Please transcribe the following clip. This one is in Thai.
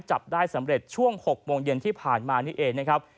จับได้สำเร็จช่วง๖โมงเย็นที่ผ่านมานี่เองนะครับ